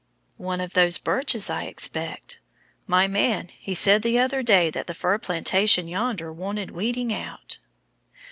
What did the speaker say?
"One of those birches, I expect. My man, he said the other day that the fir plantation yonder wanted weeding out."